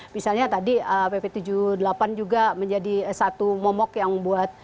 misalnya tadi pp tujuh puluh delapan juga menjadi satu momok yang buat